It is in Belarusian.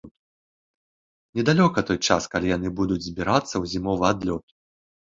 Недалёка той час, калі яны будуць збірацца ў зімовы адлёт.